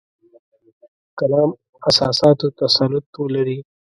کلام اساساتو تسلط ولري.